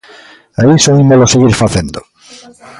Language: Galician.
E iso ímolo seguir facendo.